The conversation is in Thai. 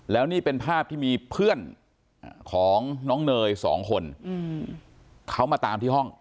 แล้วนี่เป็นภาพที่มีเพื่อนของน้องเนยสองคนเขามาตามที่ห้อง